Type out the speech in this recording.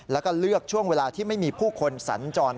แล้วก็เลือกช่วงเวลาที่ไม่มีผู้คนสัญจร